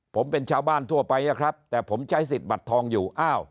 ผมเป็นชาวบ้านทั่วไปอะครับแต่ผมใช้สิทธิ์บัตรทองอยู่อ้าว